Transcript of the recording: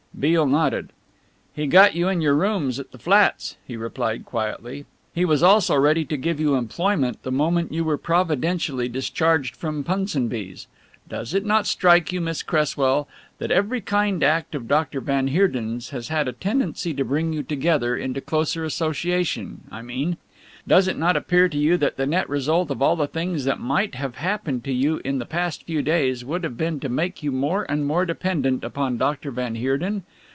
Beale nodded. "He got you your rooms at the flats," he replied quietly; "he was also ready to give you employment the moment you were providentially discharged from Punsonby's. Does it not strike you, Miss Cresswell, that every kind act of Doctor van Heerden's has had a tendency to bring you together, into closer association, I mean? Does it not appear to you that the net result of all the things that might have happened to you in the past few days would have been to make you more and more dependent upon Doctor van Heerden?